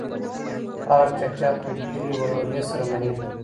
خلګ چټیات په ډیرې ولولې سره مني.